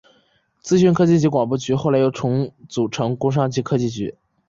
资讯科技及广播局后来又重组成工商及科技局。